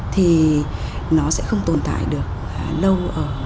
thì nó sẽ không tồn tại được lâu